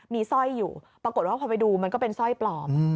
มีสร้อยอยู่ปรากฏว่าพอไปดูมันก็เป็นสร้อยปลอม